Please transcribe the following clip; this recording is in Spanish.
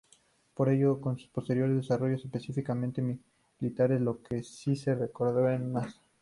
Por ello son sus posteriores desarrollos "específicamente" militares los que sí se recuerdan más.